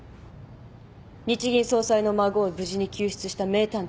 日銀総裁の孫を無事に救出した名探偵。